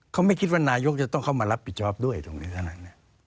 เขาไม่คิดว่านายกจะต้องเข้ามารับผิดชอบด้วยตรงนี้ขนาดนั้น